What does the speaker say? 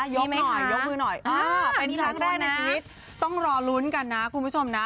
มีไหมคะยกมือหน่อยเป็นทั้งแรกนะต้องรอลุ้นกันนะคุณผู้ชมนะ